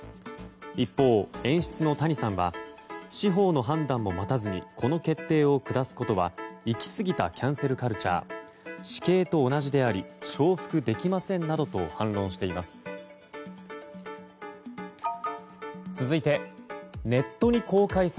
一方、演出の谷さんは司法の判断を待たずにこの決定を下すことは行き過ぎたキャンセルカルチャー私刑と同じであり承服できませんなどと反論しています。